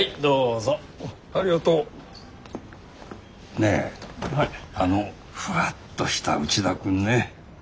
ねえあのフワッとした内田君ね